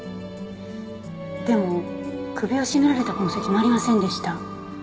でも首を絞められた痕跡もありませんでした。